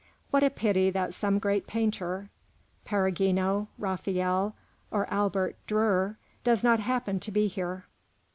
What a pity that some great painter, Perugino, Raphael, or Albert Dürer, does not happen to be here.